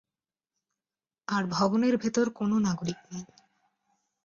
আর ভবনের ভেতরে কোন নাগরিক নেই।